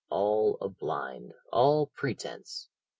all a blind, all pretence.